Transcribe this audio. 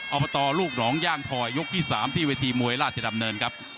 อบตลูกหนองย่างทอยกที่๓ที่เวทีมวยราชดำเนินครับ